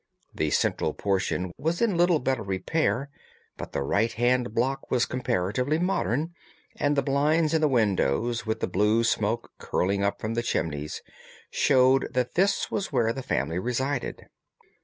The central portion was in little better repair, but the right hand block was comparatively modern, and the blinds in the windows, with the blue smoke curling up from the chimneys, showed that this was where the family resided.